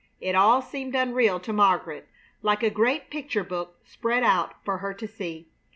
It all seemed unreal to Margaret, like a great picture book spread out for her to see.